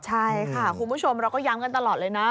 ใช่ค่ะคุณผู้ชมเราก็ย้ำกันตลอดเลยนะ